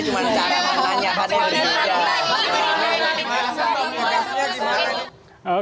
cuma cara menanyakan